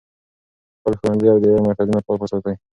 خپل ښوونځي او د علم مرکزونه پاک وساتئ.